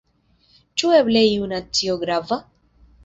Ĉu eble iu nacio grava?